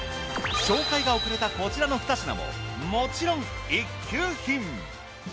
紹介が遅れたこちらの２品ももちろん一級品。